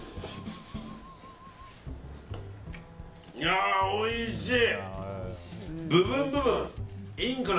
いやあ、おいしい！